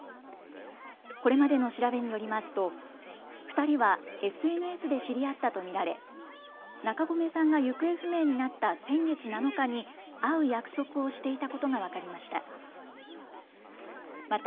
これまでの調べによりますと２人はＳＮＳで知り合ったと見られ中込さんが行方不明になった先月７日に会う約束をしていたことが分かりました。